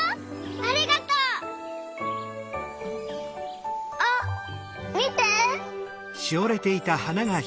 ありがとう。あっみて。